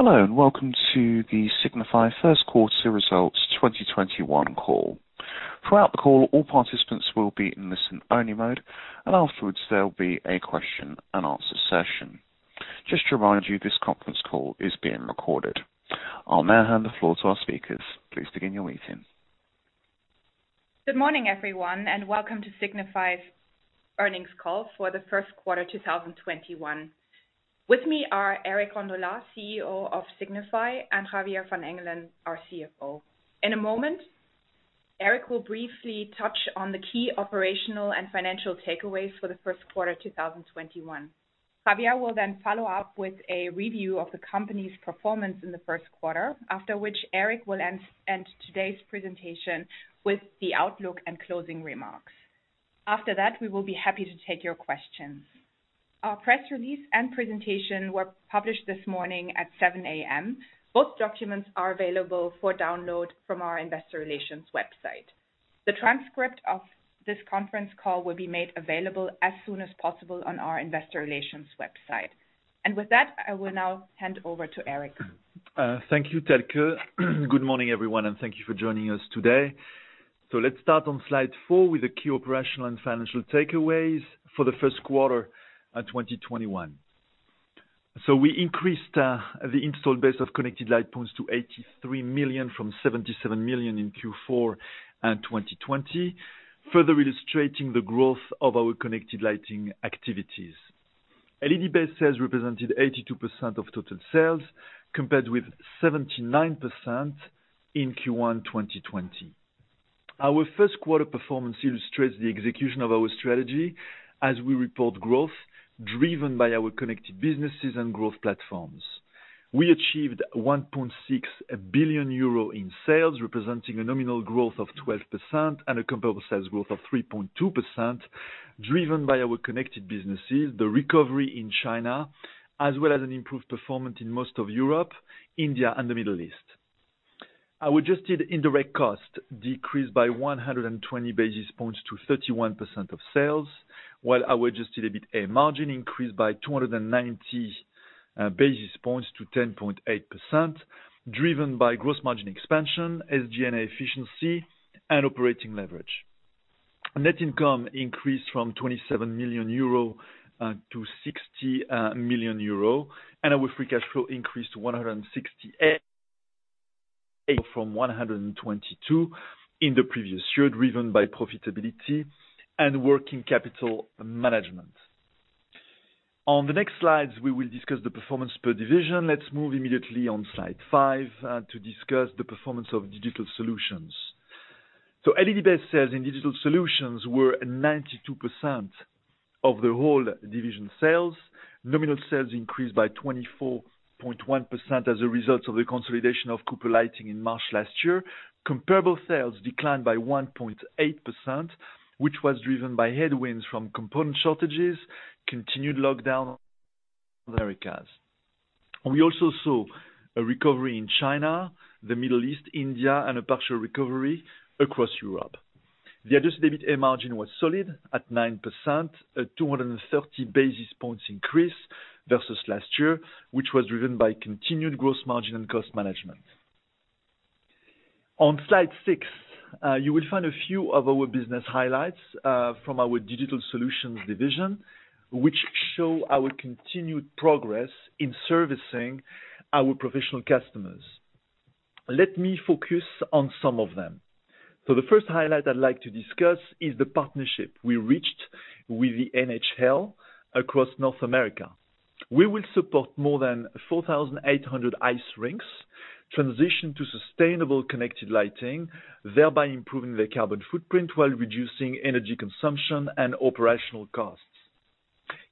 Hello, and welcome to the Signify First Quarter Results 2021 call. Throughout the call all participants will be on listen-only mode and afterwards there will be a question-and-answer session. Just to remind you this conference call is being recorded. I'll now hand the floor to our speakers, Please begin your meeting. Good morning, everyone, and welcome to Signify's earnings call for the first quarter 2021. With me are Eric Rondolat, CEO of Signify, and Javier van Engelen, our CFO. In a moment, Eric will briefly touch on the key operational and financial takeaways for the first quarter 2021. Javier will then follow up with a review of the company's performance in the first quarter, after which Eric will end today's presentation with the outlook and closing remarks. After that, we will be happy to take your questions. Our press release and presentation were published this morning at 7:00 A.M. Both documents are available for download from our investor relations website. The transcript of this conference call will be made available as soon as possible on our investor relations website. With that, I will now hand over to Eric. Thank you, Thelke. Good morning, everyone, and thank you for joining us today. Let's start on slide four with the key operational and financial takeaways for the first quarter 2021. We increased the installed base of connected light points to 83 million from 77 million in Q4 2020, further illustrating the growth of our connected lighting activities. LED-based sales represented 82% of total sales, compared with 79% in Q1 2020. Our first quarter performance illustrates the execution of our strategy as we report growth driven by our connected businesses and growth platforms. We achieved 1.6 billion euro in sales, representing a nominal growth of 12% and a comparable sales growth of 3.2%, driven by our connected businesses, the recovery in China, as well as an improved performance in most of Europe, India, and the Middle East. Our adjusted indirect cost decreased by 120 basis points to 31% of sales, while our adjusted EBITA margin increased by 290 basis points to 10.8%, driven by gross margin expansion, SG&A efficiency, and operating leverage. Net income increased from 27 million-60 million euro, and our free cash flow increased to 168 from 122 in the previous year, driven by profitability and working capital management. On the next slides, we will discuss the performance per division. Let's move immediately on slide five to discuss the performance of Digital Solutions. LED-based sales in Digital Solutions were 92% of the whole division sales. Nominal sales increased by 24.1% as a result of the consolidation of Cooper Lighting in March last year. Comparable sales declined by 1.8%, which was driven by headwinds from component shortages, continued lockdown in the Americas. We also saw a recovery in China, the Middle East, India, and a partial recovery across Europe. The adjusted EBITA margin was solid at 9%, a 230 basis points increase versus last year, which was driven by continued gross margin and cost management. On slide six, you will find a few of our business highlights from our Digital Solutions division, which show our continued progress in servicing our professional customers. Let me focus on some of them. The first highlight I'd like to discuss is the partnership we reached with the NHL across North America. We will support more than 4,800 ice rinks transition to sustainable connected lighting, thereby improving their carbon footprint while reducing energy consumption and operational costs.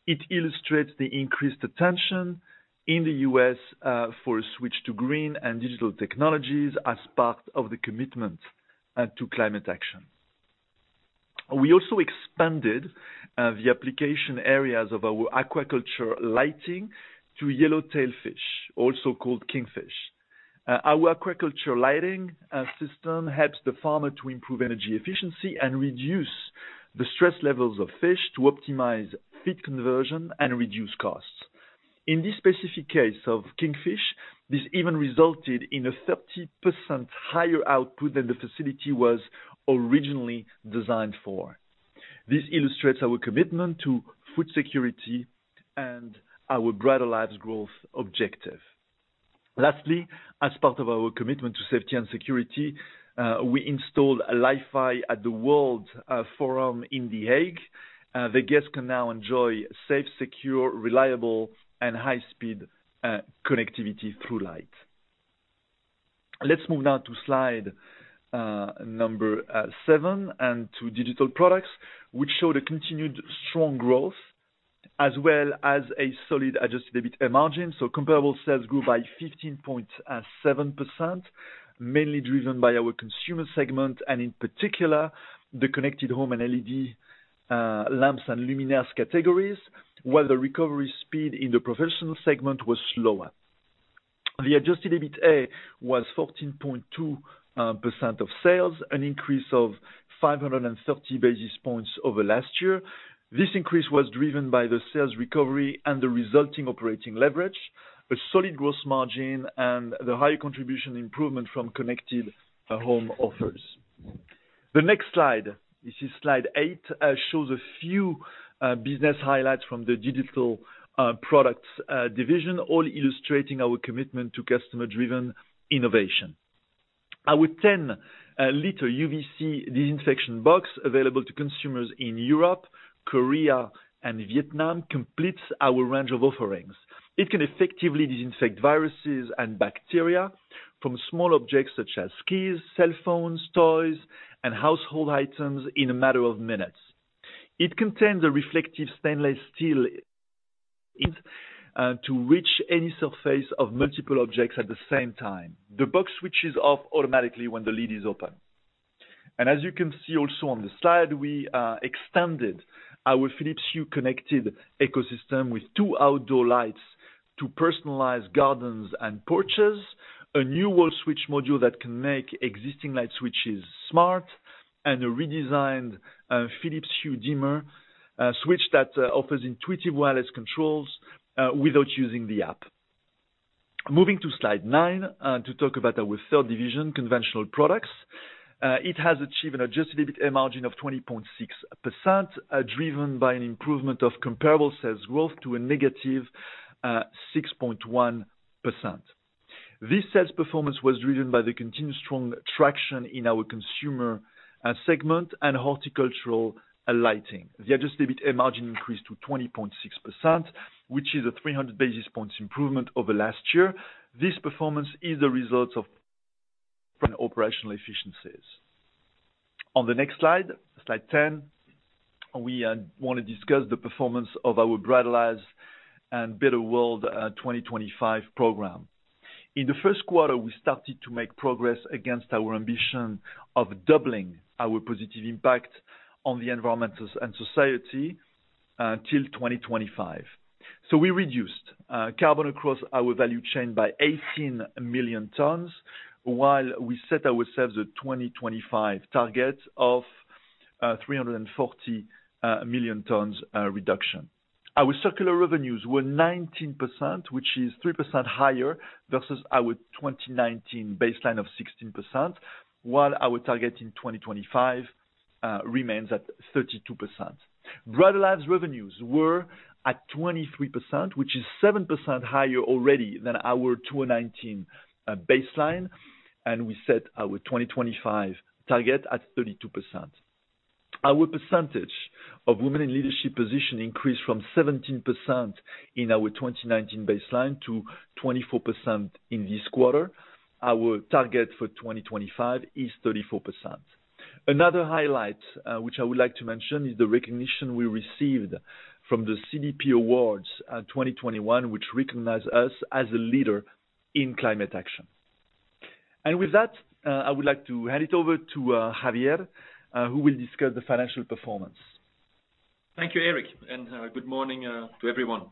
It illustrates the increased attention in the U.S. for a switch to green and digital technologies as part of the commitment to climate action. We also expanded the application areas of our aquaculture lighting to yellowtail fish, also called kingfish. Our aquaculture lighting system helps the farmer to improve energy efficiency and reduce the stress levels of fish to optimize feed conversion and reduce costs. In this specific case of kingfish, this even resulted in a 30% higher output than the facility was originally designed for. This illustrates our commitment to food security and our brighter lives growth objective. Lastly, as part of our commitment to safety and security, we installed Li-Fi at The World Forum in The Hague. The guests can now enjoy safe, secure, reliable, and high-speed connectivity through light. Let's move now to slide number seven and to Digital Products, which show the continued strong growth as well as a solid adjusted EBITA margin. Comparable sales grew by 15.7%, mainly driven by our consumer segment and, in particular, the connected home and LED lamps and luminaires categories, while the recovery speed in the professional segment was slower. The adjusted EBITA was 14.2% of sales, an increase of 530 basis points over last year. This increase was driven by the sales recovery and the resulting operating leverage, a solid growth margin, and the high contribution improvement from connected home offers. The next slide, this is slide eight, shows a few business highlights from the Digital Products division, all illustrating our commitment to customer-driven innovation. Our 10-liter UVC disinfection box available to consumers in Europe, Korea, and Vietnam completes our range of offerings. It can effectively disinfect viruses and bacteria from small objects such as skis, cell phones, toys, and household items in a matter of minutes. It contains a reflective stainless steel in to reach any surface of multiple objects at the same time. The box switches off automatically when the lid is open. As you can see also on the slide, we extended our Philips Hue connected ecosystem with two outdoor lights to personalize gardens and porches, a new wall switch module that can make existing light switches smart, and a redesigned Philips Hue dimmer switch that offers intuitive wireless controls without using the app. Moving to slide nine to talk about our third division, Conventional Products. It has achieved an adjusted EBITA margin of 20.6%, driven by an improvement of comparable sales growth to a -6.1%. This sales performance was driven by the continued strong traction in our consumer segment and horticultural lighting. The adjusted EBITA margin increased to 20.6%, which is a 300 basis points improvement over last year. This performance is a result of operational efficiencies. On the next slide 10, we want to discuss the performance of our Brighter Lives, Better World 2025 program. In the first quarter, we started to make progress against our ambition of doubling our positive impact on the environment and society till 2025. We reduced carbon across our value chain by 18 million tons while we set ourselves a 2025 target of 340 million tons reduction. Our circular revenues were 19%, which is 3% higher versus our 2019 baseline of 16%, while our target in 2025 remains at 32%. Brighter Lives' revenues were at 23%, which is 7% higher already than our 2019 baseline, and we set our 2025 target at 32%. Our percentage of women in leadership position increased from 17% in our 2019 baseline to 24% in this quarter. Our target for 2025 is 34%. Another highlight which I would like to mention is the recognition we received from the CDP Awards 2021, which recognized us as a leader in climate action. With that, I would like to hand it over to Javier, who will discuss the financial performance. Thank you, Eric, and good morning to everyone.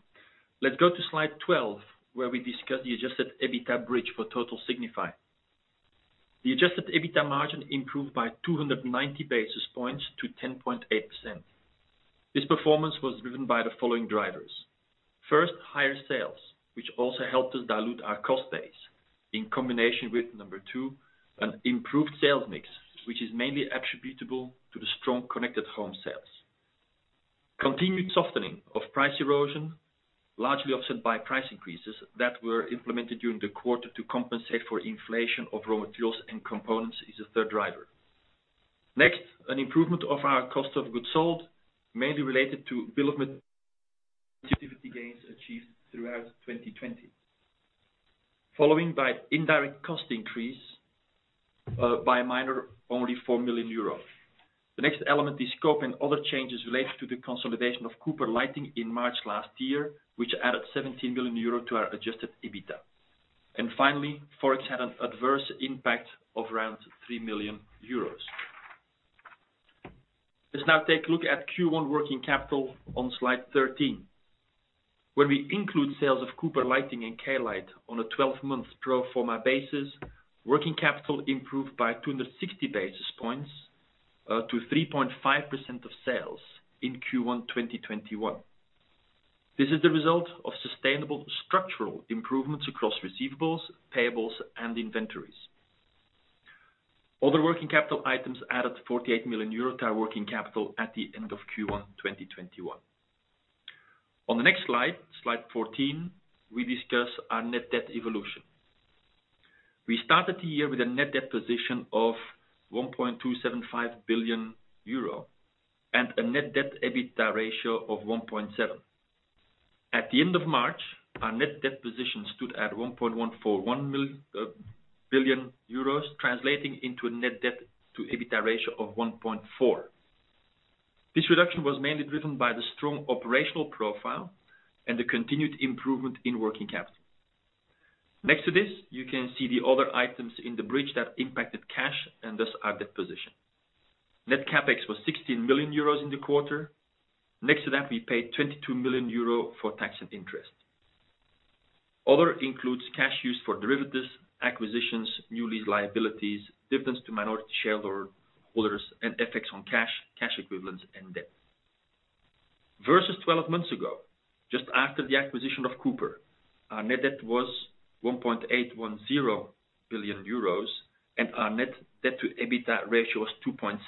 Let's go to slide 12, where we discuss the adjusted EBITDA bridge for total Signify. The adjusted EBITDA margin improved by 290 basis points to 10.8%. This performance was driven by the following drivers. First, higher sales, which also helped us dilute our cost base in combination with, number two, an improved sales mix, which is mainly attributable to the strong connected home sales. Continued softening of price erosion, largely offset by price increases that were implemented during the quarter to compensate for inflation of raw materials and components is the third driver. Next, an improvement of our cost of goods sold, mainly related to bill of material productivity gains achieved throughout 2020. Following by indirect cost increase by a minor only four million euros. The next element is scope and other changes related to the consolidation of Cooper Lighting in March last year, which added 17 million euro to our adjusted EBITDA. Finally, Forex had an adverse impact of around 3 million euros. Let's now take a look at Q1 working capital on slide 13. When we include sales of Cooper Lighting and Klite on a 12-month pro forma basis, working capital improved by 260 basis points to 3.5% of sales in Q1 2021. This is the result of sustainable structural improvements across receivables, payables, and inventories. Other working capital items added 48 million euro to our working capital at the end of Q1 2021. On the next slide 14, we discuss our net debt evolution. We started the year with a net debt position of 1.275 billion euro and a net debt EBITDA ratio of 1.7. At the end of March, our net debt position stood at 1.141 billion euros, translating into a net debt to EBITDA ratio of 1.4. This reduction was mainly driven by the strong operational profile and the continued improvement in working capital. Next to this, you can see the other items in the bridge that impacted cash and thus our debt position. Net CapEx was 16 million euros in the quarter. Next to that, we paid 22 million euro for tax and interest. Other includes cash use for derivatives, acquisitions, new lease liabilities, dividends to minority shareholders, and FX on cash equivalents, and debt. Versus 12 months ago, just after the acquisition of Cooper, our net debt was 1.810 billion euros and our net debt to EBITDA ratio was 2.7.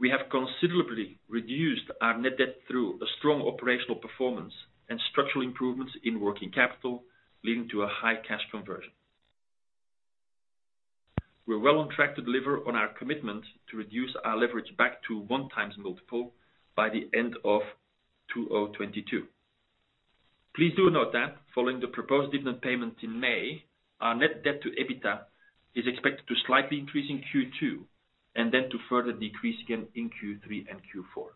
We have considerably reduced our net debt through a strong operational performance and structural improvements in working capital, leading to a high cash conversion. We're well on track to deliver on our commitment to reduce our leverage back to one times multiple, by the end of 2022. Please do note that following the proposed dividend payment in May, our net debt to EBITDA is expected to slightly increase in Q2, and then to further decrease again in Q3 and Q4.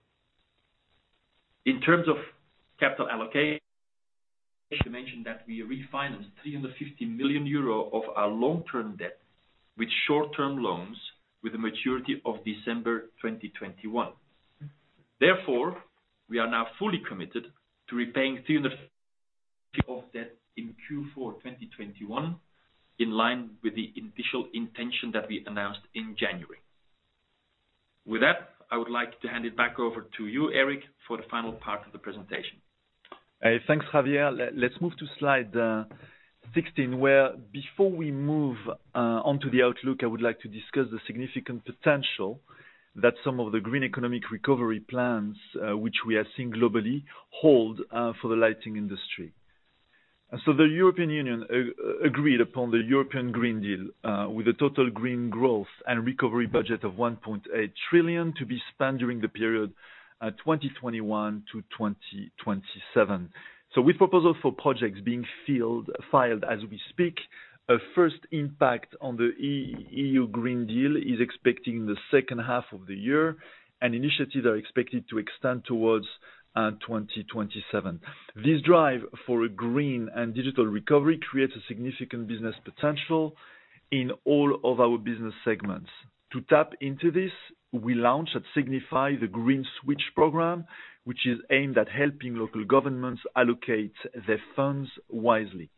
In terms of capital allocation, I should mention that we refinanced 350 million euro of our long-term debt with short-term loans with a maturity of December 2021. We are now fully committed to repaying 350 of debt in Q4 2021, in line with the initial intention that we announced in January. With that, I would like to hand it back over to you, Eric, for the final part of the presentation. Thanks, Javier. Let's move to slide 16, where before we move onto the outlook, I would like to discuss the significant potential that some of the green economic recovery plans, which we are seeing globally, hold for the lighting industry. The European Union agreed upon the European Green Deal, with a total green growth and recovery budget of 1.8 trillion to be spent during the period 2021-2027. With proposals for projects being filed as we speak, a first impact on the EU Green Deal is expected in the second half of the year, and initiatives are expected to extend towards 2027. This drive for a green and digital recovery creates a significant business potential in all of our business segments. To tap into this, we launched at Signify the Green Switch program, which is aimed at helping local governments allocate their funds wisely.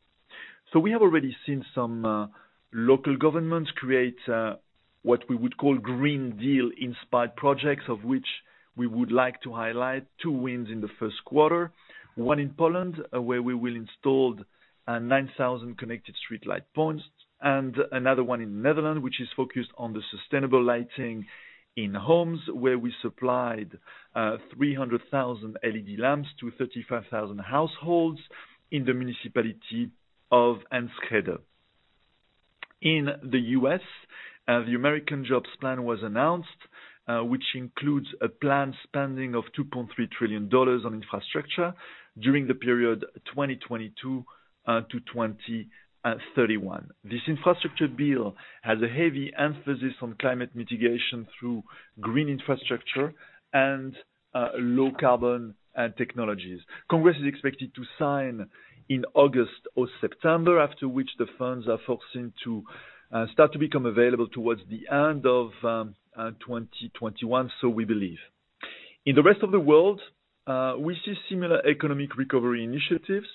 We have already seen some local governments create what we would call Green Deal-inspired projects, of which we would like to highlight two wins in the first quarter. One in Poland, where we will install 9,000 connected streetlight points, and another one in the Netherlands, which is focused on the sustainable lighting in homes, where we supplied 300,000 LED lamps to 35,000 households in the municipality of Enschede. In the U.S., the American Jobs Plan was announced, which includes a planned spending of $2.3 trillion on infrastructure during the period 2022-2031. This infrastructure bill has a heavy emphasis on climate mitigation through green infrastructure and low carbon technologies. Congress is expected to sign in August or September, after which the funds are foreseen to start to become available towards the end of 2021, so we believe. In the rest of the world, we see similar economic recovery initiatives,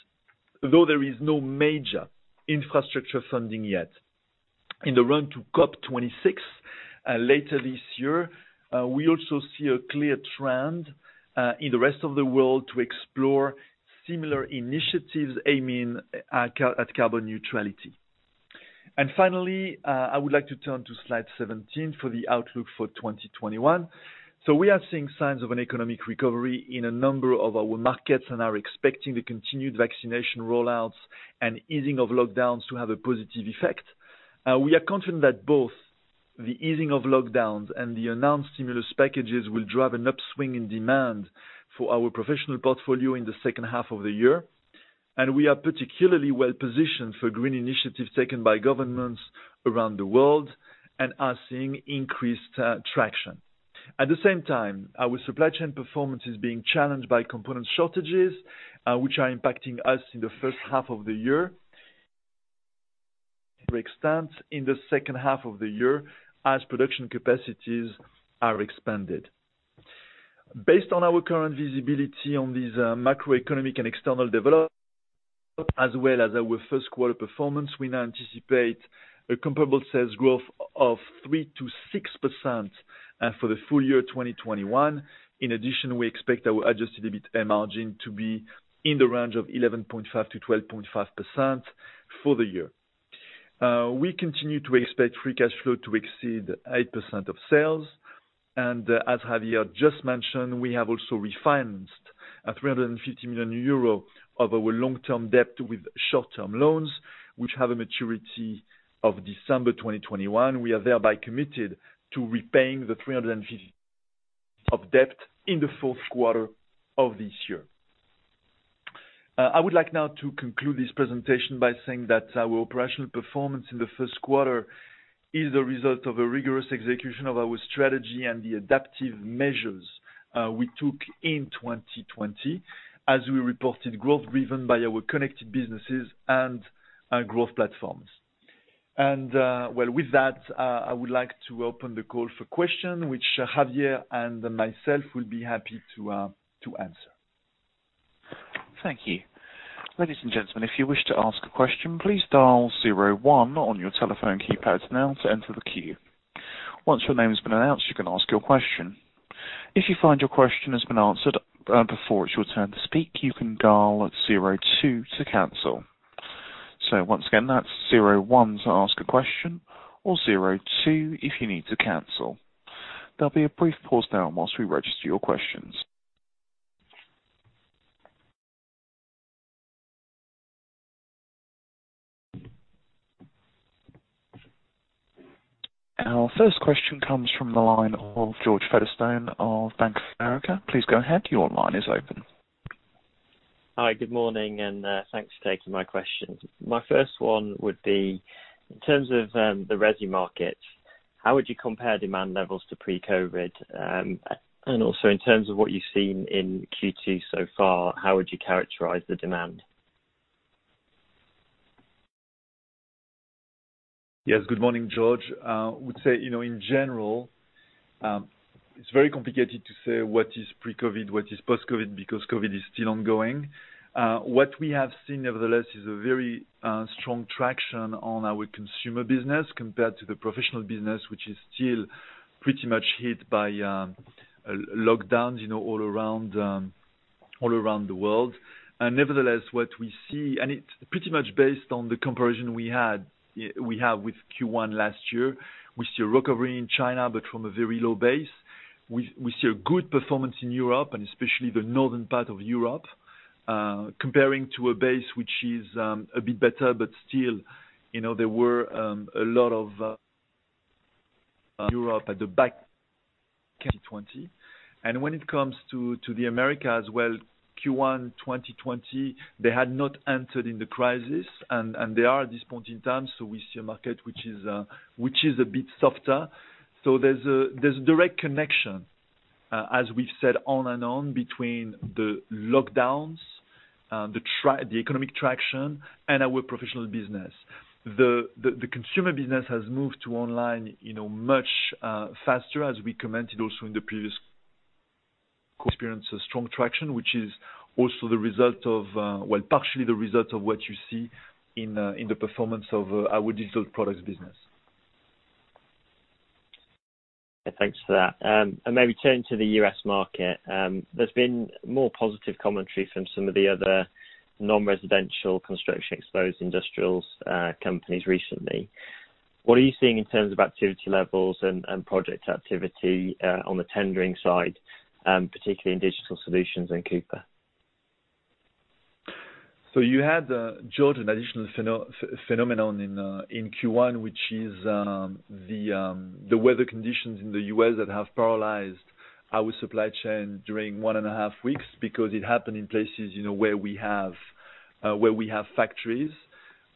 though there is no major infrastructure funding yet. In the run to COP 26 later this year, we also see a clear trend in the rest of the world to explore similar initiatives aiming at carbon neutrality. Finally, I would like to turn to slide 17 for the outlook for 2021. We are seeing signs of an economic recovery in a number of our markets and are expecting the continued vaccination rollouts and easing of lockdowns to have a positive effect. We are confident that both the easing of lockdowns and the announced stimulus packages will drive an upswing in demand for our professional portfolio in the second half of the year. We are particularly well-positioned for green initiatives taken by governments around the world and are seeing increased traction. At the same time, our supply chain performance is being challenged by component shortages, which are impacting us in the first half of the year to an extent in the second half of the year, as production capacities are expanded. Based on our current visibility on these macroeconomic and external developments, as well as our first quarter performance, we now anticipate a comparable sales growth of 3%-6% for the full year 2021. We expect our adjusted EBITA margin to be in the range of 11.5%-12.5% for the year. We continue to expect free cash flow to exceed 8% of sales. As Javier just mentioned, we have also refinanced 350 million euro of our long-term debt with short-term loans, which have a maturity of December 2021. We are thereby committed to repaying the 350 of debt in the fourth quarter of this year. I would like now to conclude this presentation by saying that our operational performance in the first quarter is the result of a rigorous execution of our strategy and the adaptive measures we took in 2020 as we reported growth driven by our connected businesses and our growth platforms. Well, with that, I would like to open the call for question, which Javier and myself will be happy to answer. Thank you. Ladies and gentlemen, if you wish to ask a question, please dial zero one on your telephone keypad now to enter the queue. Once your name has been announced, you can ask your question. If you find your question has been answered before it's your turn to speak, you can dial zero two to cancel. Once again, that's zero one to ask a question or zero two if you need to cancel. There'll be a brief pause now while we register your questions. Our first question comes from the line of George Featherstone of Bank of America. Please go ahead. Your line is open. Hi. Good morning, and thanks for taking my questions. My first one would be, in terms of the resi market, how would you compare demand levels to pre-COVID? Also in terms of what you've seen in Q2 so far, how would you characterize the demand? Yes. Good morning, George. I would say, in general, it's very complicated to say what is pre-COVID, what is post-COVID, because COVID is still ongoing. What we have seen, nevertheless, is a very strong traction on our consumer business compared to the professional business, which is still pretty much hit by lockdowns all around the world. Nevertheless, what we see, and it's pretty much based on the comparison we have with Q1 last year, we see a recovery in China, but from a very low base. We see a good performance in Europe and especially the northern part of Europe, comparing to a base which is a bit better, but still, there were a lot of Europe at the back of 2020. When it comes to the Americas as well, Q1 2020, they had not entered in the crisis, and they are at this point in time. We see a market which is a bit softer. There's a direct connection, as we've said on and on between the lockdowns, the economic traction, and our professional business. The consumer business has moved to online much faster, as we commented also in the previous experience, a strong traction, which is also, well, partially the result of what you see in the performance of our Digital Products business. Thanks for that. Maybe turning to the U.S. market. There's been more positive commentary from some of the other non-residential construction exposed industrials companies recently. What are you seeing in terms of activity levels and project activity on the tendering side, particularly in Digital Solutions and Cooper? You had, George, an additional phenomenon in Q1, which is the weather conditions in the U.S. that have paralyzed our supply chain during one and a half Weeks because it happened in places where we have factories.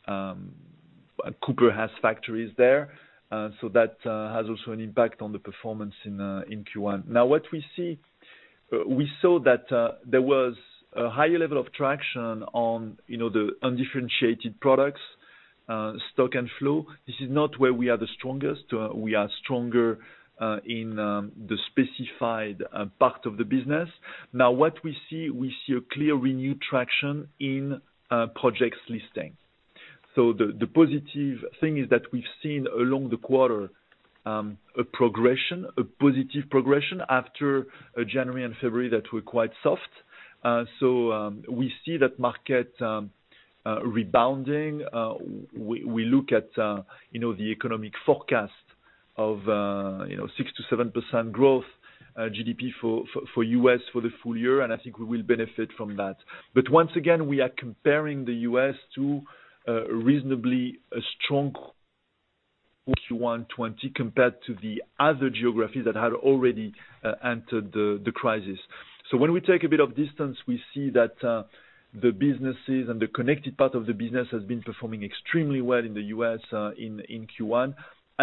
Cooper has factories there. That has also an impact on the performance in Q1. What we see, we saw that there was a higher level of traction on the undifferentiated products, stock and flow. This is not where we are the strongest. We are stronger in the specified part of the business. What we see a clear renewed traction in projects listing. The positive thing is that we've seen along the quarter, a progression, a positive progression after January and February that were quite soft. We see that market rebounding. We look at the economic forecast of 6%-7% growth GDP for U.S. for the full year, and I think we will benefit from that. Once again, we are comparing the U.S. to a reasonably strong Q1 2020 compared to the other geographies that had already entered the crisis. When we take a bit of distance, we see that the businesses and the connected part of the business has been performing extremely well in the U.S. in Q1.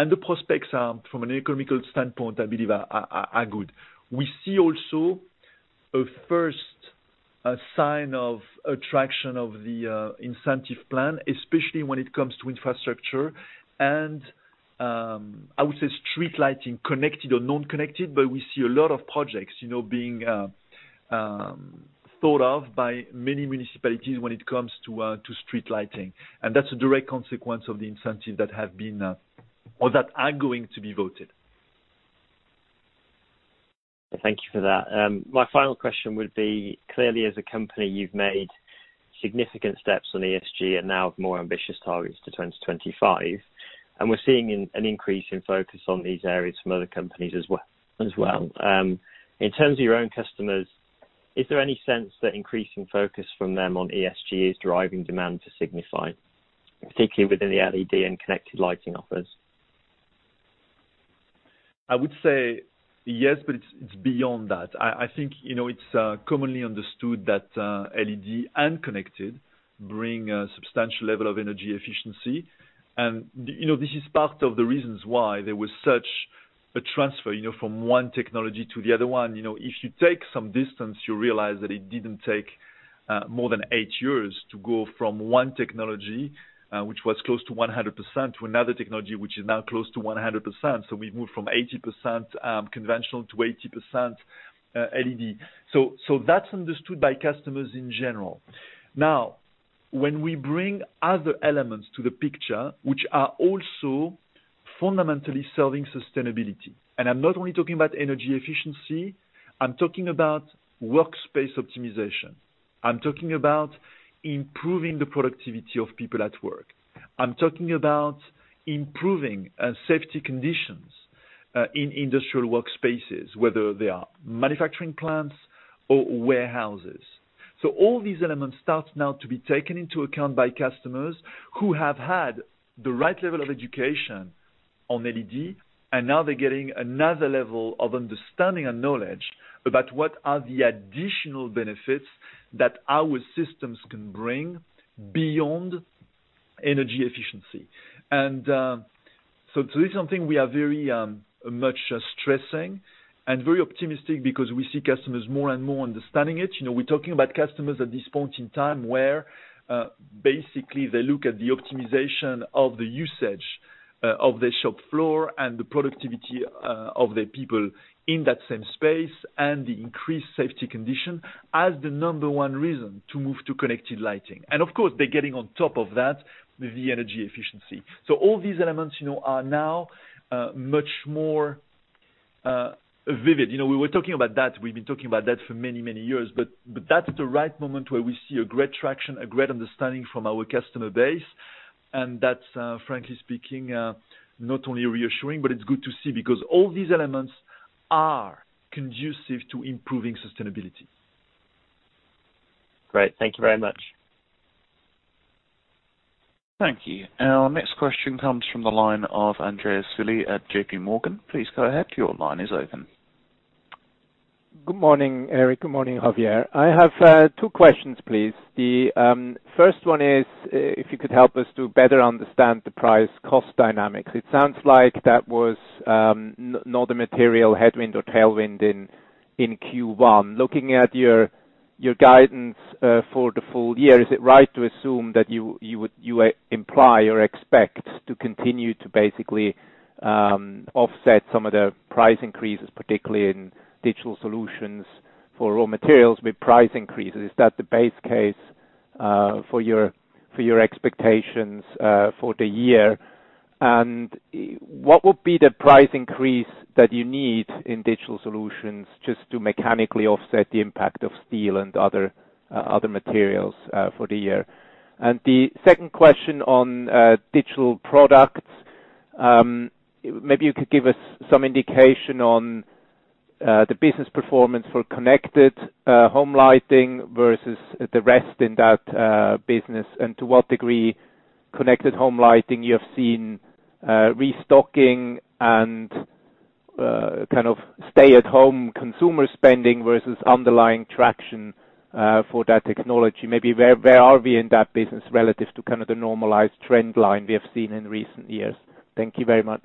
The prospects are, from an economical standpoint, I believe, are good. We see also a first sign of attraction of the incentive plan, especially when it comes to infrastructure and, I would say street lighting, connected or non-connected, but we see a lot of projects being thought of by many municipalities when it comes to street lighting. That's a direct consequence of the incentives that have been, or that are going to be voted. Thank you for that. My final question would be, clearly as a company, you've made significant steps on ESG and now have more ambitious targets to 2025. We're seeing an increase in focus on these areas from other companies as well. In terms of your own customers, is there any sense that increasing focus from them on ESG is driving demand to Signify, particularly within the LED and connected lighting offers? I would say yes, but it's beyond that. I think it's commonly understood that LED and connected bring a substantial level of energy efficiency. This is part of the reasons why there was such a transfer from one technology to the other one. If you take some distance, you realize that it didn't take more than eight years to go from one technology, which was close to 100%, to another technology, which is now close to 100%. We've moved from 80% conventional to 80% LED. That's understood by customers in general. Now, when we bring other elements to the picture, which are also fundamentally serving sustainability, and I'm not only talking about energy efficiency, I'm talking about workspace optimization. I'm talking about improving the productivity of people at work. I'm talking about improving safety conditions in industrial workspaces, whether they are manufacturing plants or warehouses. All these elements start now to be taken into account by customers who have had the right level of education on LED, and now they're getting another level of understanding and knowledge about what are the additional benefits that our systems can bring beyond energy efficiency. This is something we are very much stressing and very optimistic because we see customers more and more understanding it. We're talking about customers at this point in time where, basically they look at the optimization of the usage of their shop floor and the productivity of their people in that same space, and the increased safety condition as the number one reason to move to connected lighting. Of course, they're getting on top of that the energy efficiency. All these elements are now much more vivid. We were talking about that. We've been talking about that for many, many years, that's the right moment where we see a great traction, a great understanding from our customer base. That's, frankly speaking, not only reassuring, but it's good to see because all these elements are conducive to improving sustainability. Great. Thank you very much. Thank you. Our next question comes from the line of Andreas Willi at JPMorgan. Please go ahead. Your line is open. Good morning, Eric. Good morning, Javier. I have two questions, please. The first one is if you could help us to better understand the price cost dynamics. It sounds like that was not a material headwind or tailwind in Q1. Looking at your guidance for the full year, is it right to assume that you imply or expect to continue to basically offset some of the price increases, particularly in Digital Solutions for raw materials with price increases? Is that the base case for your expectations for the year? What would be the price increase that you need in Digital Solutions just to mechanically offset the impact of steel and other materials for the year? The second question on Digital Products, maybe you could give us some indication on the business performance for connected home lighting versus the rest in that business, and to what degree connected home lighting you have seen restocking and kind of stay-at-home consumer spending versus underlying traction for that technology. Maybe where are we in that business relative to kind of the normalized trend line we have seen in recent years? Thank you very much.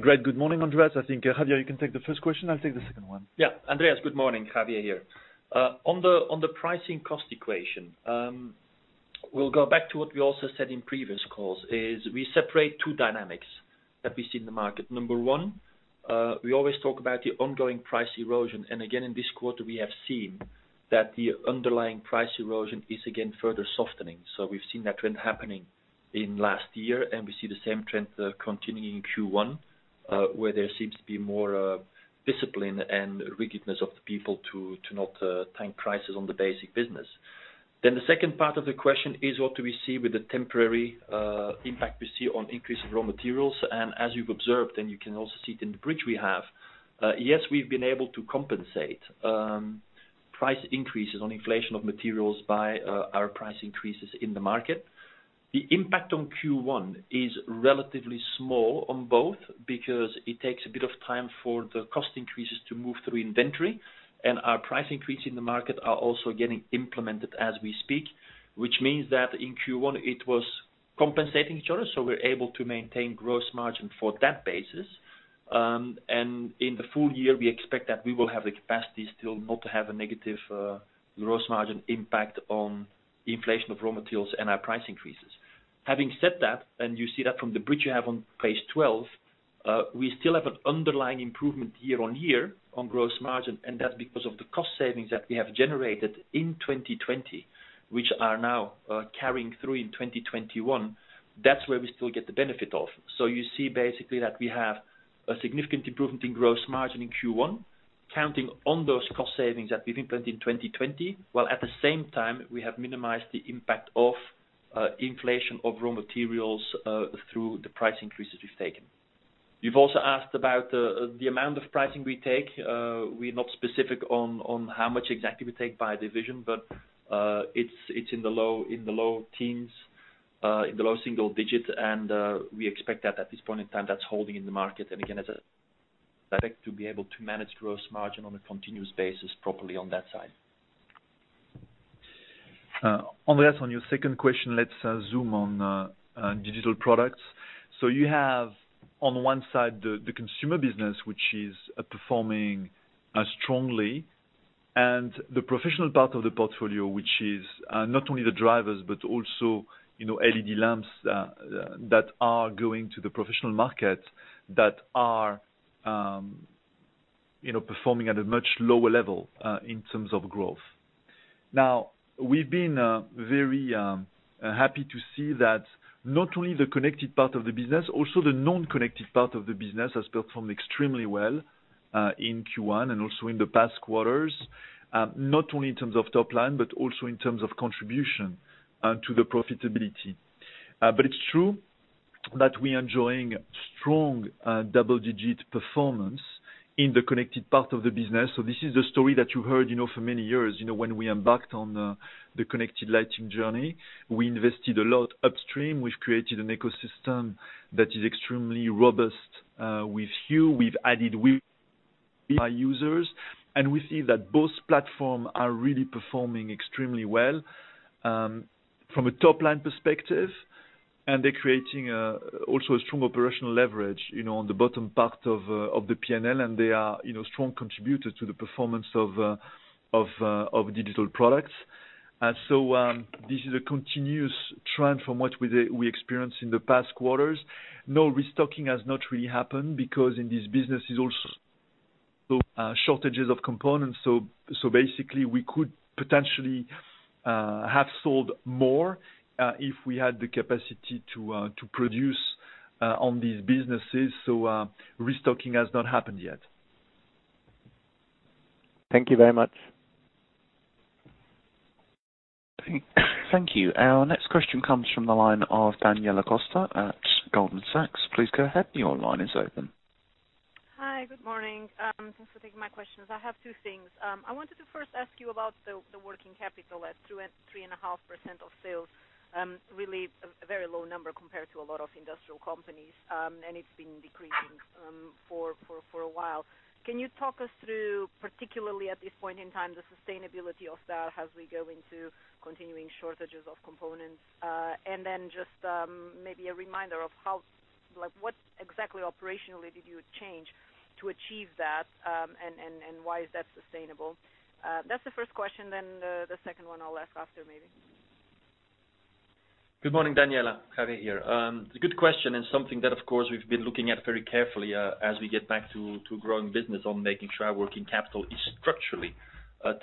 Great. Good morning, Andreas. I think, Javier, you can take the first question. I'll take the second one. Yeah. Andreas, good morning. Javier here. On the pricing cost equation, we will go back to what we also said in previous calls is we separate two dynamics that we see in the market. Number one, we always talk about the ongoing price erosion. Again, in this quarter, we have seen that the underlying price erosion is again further softening. We have seen that trend happening in last year, and we see the same trend continuing in Q1, where there seems to be more discipline and rigidness of the people to not tank prices on the basic business. The second part of the question is what do we see with the temporary impact we see on increase in raw materials? As you've observed, and you can also see it in the bridge we have, yes, we've been able to compensate price increases on inflation of materials by our price increases in the market. The impact on Q1 is relatively small on both because it takes a bit of time for the cost increases to move through inventory, and our price increase in the market are also getting implemented as we speak, which means that in Q1 it was compensating each other. We're able to maintain gross margin for that basis. In the full year, we expect that we will have the capacity still not to have a negative gross margin impact on inflation of raw materials and our price increases. Having said that, and you see that from the bridge you have on page 12, we still have an underlying improvement year on year on gross margin, and that's because of the cost savings that we have generated in 2020, which are now carrying through in 2021. That's where we still get the benefit of you see basically that we have a significant improvement in gross margin in Q1, counting on those cost savings that we've implemented in 2020, while at the same time we have minimized the impact of inflation of raw materials through the price increases we've taken. You've also asked about the amount of pricing we take. We're not specific on how much exactly we take by division, but it's in the low teens, in the low single digits, and we expect that at this point in time, that's holding in the market. Again, effect to be able to manage gross margin on a continuous basis properly on that side. Andreas, on your second question, let's zoom on Digital Products. You have on one side the consumer business, which is performing strongly, and the professional part of the portfolio, which is not only the drivers but also LED lamps that are going to the professional market that are performing at a much lower level in terms of growth. Now, we've been very happy to see that not only the connected part of the business, also the non-connected part of the business has performed extremely well in Q1 and also in the past quarters, not only in terms of top line, but also in terms of contribution to the profitability. It's true that we are enjoying strong double-digit performance in the connected part of the business. This is the story that you heard for many years. When we embarked on the connected lighting journey, we invested a lot upstream. We've created an ecosystem that is extremely robust with Hue. We've added WiZ by users. We see that both platforms are really performing extremely well from a top-line perspective. They're creating also a strong operational leverage on the bottom part of the P&L. They are strong contributors to the performance of Digital Products. This is a continuous trend from what we experienced in the past quarters. No restocking has not really happened because in this business is also shortages of components. Basically, we could potentially have sold more, if we had the capacity to produce on these businesses. Restocking has not happened yet. Thank you very much. Thank you. Our next question comes from the line of Daniela Costa at Goldman Sachs. Please go ahead. Your line is open. Hi. Good morning. Thanks for taking my questions. I have two things. I wanted to first ask you about the working capital at 3.5% of sales, really a very low number compared to a lot of industrial companies, and it's been decreasing for a while. Can you talk us through, particularly at this point in time, the sustainability of that as we go into continuing shortages of components? Just maybe a reminder of what exactly operationally did you change to achieve that, and why is that sustainable? That's the first question, then the second one I'll ask after maybe. Good morning, Daniela. Javier here. It's a good question and something that, of course, we've been looking at very carefully, as we get back to growing business on making sure our working capital is structurally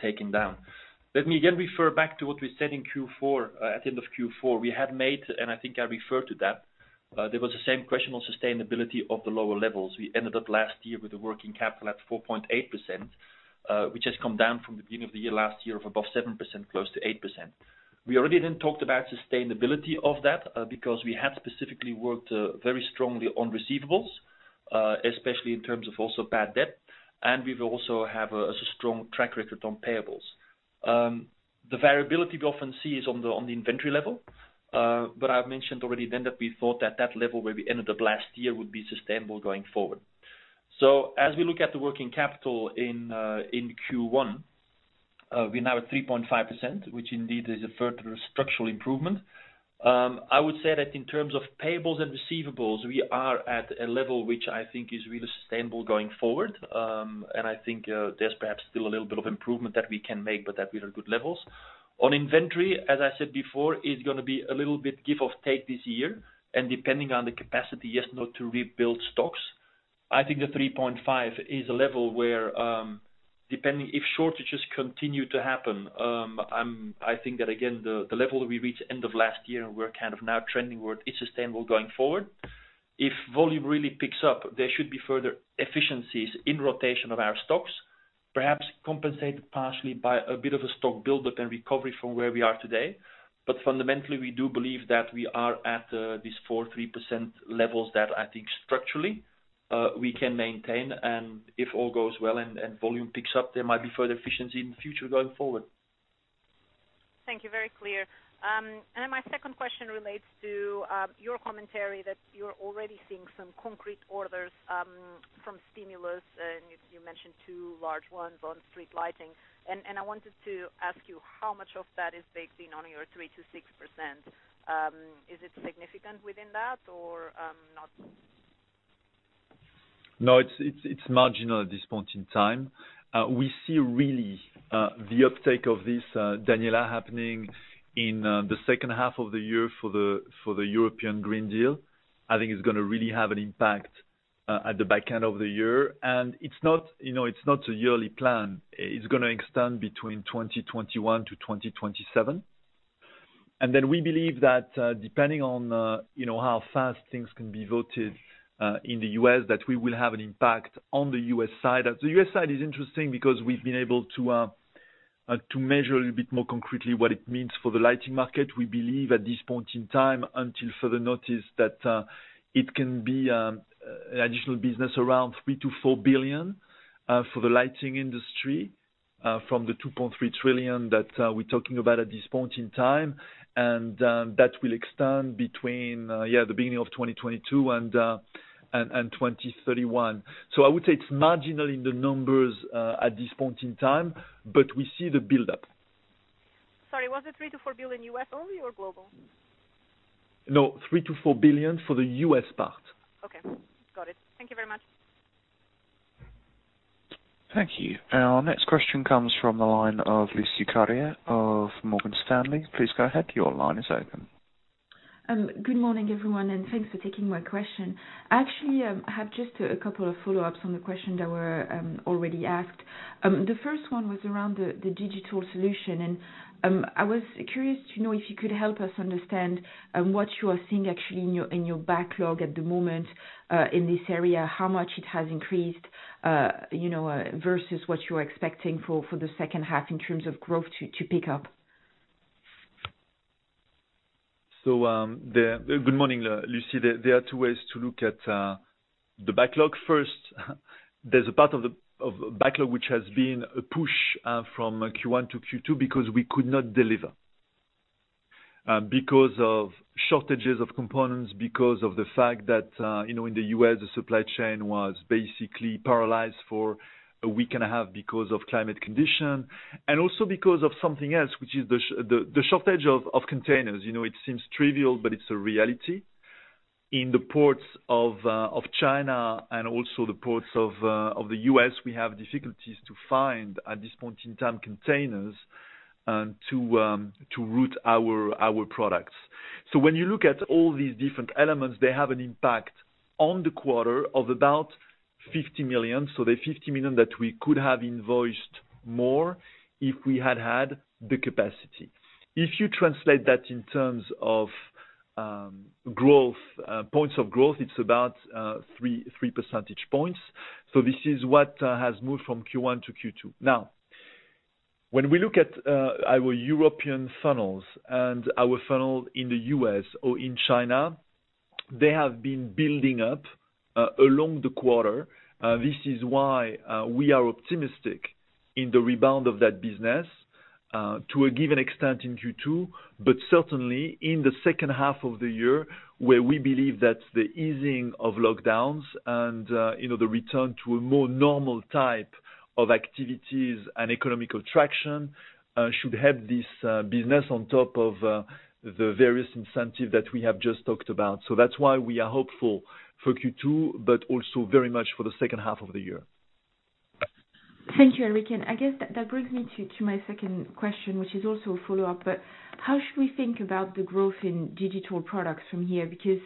taken down. Let me again refer back to what we said in Q4. At the end of Q4, we had made, and I think I referred to that, there was the same question on sustainability of the lower levels. We ended up last year with the working capital at 4.8%, which has come down from the beginning of the year last year of above 7%, close to 8%. We already then talked about sustainability of that because we had specifically worked very strongly on receivables, especially in terms of also bad debt, and we've also have a strong track record on payables. The variability we often see is on the inventory level. I've mentioned already that level where we ended up last year would be sustainable going forward. As we look at the working capital in Q1, we're now at 3.5%, which indeed is a further structural improvement. I would say that in terms of payables and receivables, we are at a level which I think is really sustainable going forward. I think there's perhaps still a little bit of improvement that we can make, but that we are good levels. On inventory, as I said before, is going to be a little bit give or take this year, and depending on the capacity, yes, no, to rebuild stocks. I think the 3.5 is a level where, if shortages continue to happen, I think that again, the level that we reached end of last year and we're kind of now trending where it's sustainable going forward. If volume really picks up, there should be further efficiencies in rotation of our stocks, perhaps compensated partially by a bit of a stock buildup and recovery from where we are today. But fundamentally, we do believe that we are at these 4%, 3% levels that I think structurally, we can maintain, and if all goes well and volume picks up, there might be further efficiency in the future going forward. Thank you. Very clear. My second question relates to your commentary that you're already seeing some concrete orders from stimulus, and you mentioned two large ones on street lighting. I wanted to ask you how much of that is baking on your 3%-6%. Is it significant within that or not? No, it's marginal at this point in time. We see really the uptake of this, Daniela, happening in the second half of the year for the European Green Deal. I think it's going to really have an impact at the back end of the year. It's not a yearly plan. It's going to extend between 2021-2027. We believe that depending on how fast things can be voted in the U.S., that we will have an impact on the U.S. side. The U.S. side is interesting because we've been able to measure a little bit more concretely what it means for the lighting market. We believe at this point in time until further notice that it can be additional business around 3 billion-4 billion for the lighting industry from the $2.3 trillion that we're talking about at this point in time, and that will extend between the beginning of 2022 and 2031. I would say it's marginal in the numbers at this point in time, but we see the buildup Was the $3 billion-$4 billion U.S. only or global? No, $3 billion-$4 billion for the U.S. part. Okay. Got it. Thank you very much. Thank you. Our next question comes from the line of Lucie Carrier of Morgan Stanley. Please go ahead. Good morning, everyone. Thanks for taking my question. Actually, I have just a couple of follow-ups on the questions that were already asked. The first one was around the Digital Solutions. I was curious to know if you could help us understand what you are seeing actually in your backlog at the moment in this area, how much it has increased versus what you're expecting for the second half in terms of growth to pick up. Good morning, Lucie. There are two ways to look at the backlog. First, there's a part of the backlog which has been a push from Q1 to Q2 because we could not deliver. Because of shortages of components, because of the fact that in the U.S., the supply chain was basically paralyzed for a week and a half because of climate condition, and also because of something else, which is the shortage of containers. It seems trivial, but it's a reality. In the ports of China and also the ports of the U.S., we have difficulties to find, at this point in time, containers to route our products. When you look at all these different elements, they have an impact on the quarter of about 50 million. The 50 million that we could have invoiced more if we had had the capacity. If you translate that in terms of points of growth, it's about three percentage points. This is what has moved from Q1 to Q2. Now, when we look at our European funnels and our funnel in the U.S. or in China, they have been building up along the quarter. This is why we are optimistic in the rebound of that business to a given extent in Q2, but certainly in the second half of the year, where we believe that the easing of lockdowns and the return to a more normal type of activities and economic traction should help this business on top of the various incentive that we have just talked about. That's why we are hopeful for Q2, but also very much for the second half of the year. Thank you, Eric. I guess that brings me to my second question, which is also a follow-up, but how should we think about the growth in Digital Products from here? Because